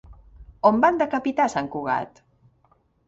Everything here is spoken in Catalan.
On van decapitar sant Cugat?